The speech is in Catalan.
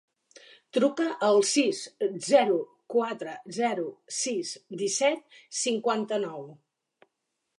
Truca al sis, zero, quatre, zero, sis, disset, cinquanta-nou.